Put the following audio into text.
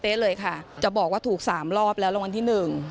เลยค่ะจะบอกว่าถูก๓รอบแล้วรางวัลที่๑